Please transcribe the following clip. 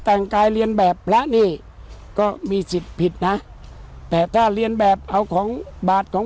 แต่งกายเรียนแบบพระนี่ก็มีสิทธิ์ผิดนะแต่ถ้าเรียนแบบเอาของบาทของ